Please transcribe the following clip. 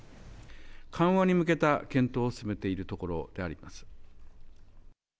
緩和に向けた検討を進めているところであります。